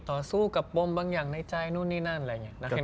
ต่อสู้กับปมบางอย่างในใจนู่นนี่นั่นอะไรอย่างนี้นะครับ